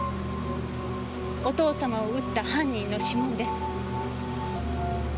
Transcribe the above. お父様を撃った犯人の指紋です。